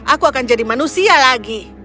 aku akan jadi manusia lagi